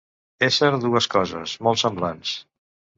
Ésser, dues coses, molt semblants.